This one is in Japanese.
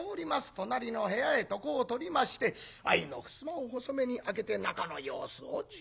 隣の部屋へ床をとりまして間の襖を細めに開けて中の様子をじっとうかがっている。